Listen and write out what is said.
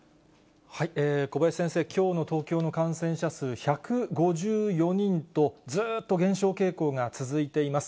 小林先生、きょうの東京の感染者数１５４人と、ずっと減少傾向が続いています。